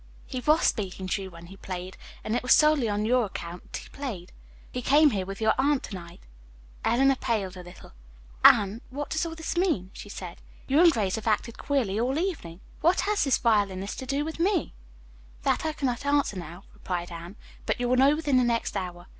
He was speaking to you when he played, and it was solely on your account that he played. He came here with your aunt to night." Eleanor paled a little. "Anne, what does all this mean?" she said. "You and Grace have acted queerly all evening. What has this violinist to do with me!" "That I cannot answer now," replied Anne, "but you will know within the next hour.